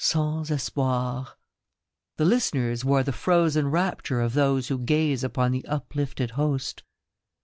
Sans Espoir. The listeners wore the frozen rapture of those who gaze upon the uplifted Host.